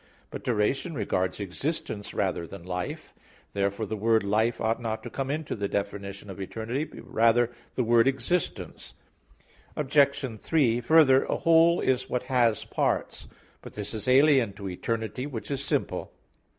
But duration regards existence rather than life. Therefore the word "life" ought not to come into the definition of eternity; but rather the word "existence." Obj. 3: Further, a whole is what has parts. But this is alien to eternity which is simple.